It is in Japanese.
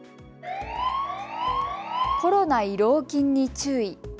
コロナ慰労金に注意。